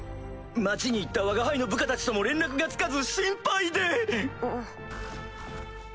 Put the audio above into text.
町に行ったわが輩の部下たちとも連絡がつかず心配で！